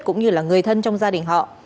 cũng như là người thân trong gia đình họ